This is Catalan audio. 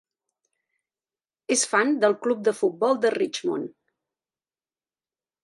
És fan del club de futbol de Richmond.